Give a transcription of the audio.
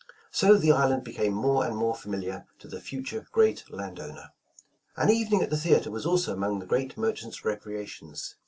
So the island became more and more familiar to the future great land owner. 144 A New Century An evening at the theatre was also among the great merchant's recreations.